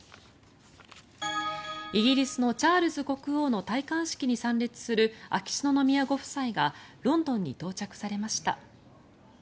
イギリスのチャールズ国王の戴冠式に参列する秋篠宮ご夫妻がロンドンに到着されました。